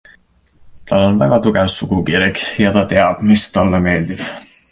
Tal on väga tugev sugukirg ja ta teab, mis talle meeldib.